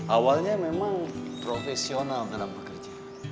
awalnya memang profesional kenapa kerja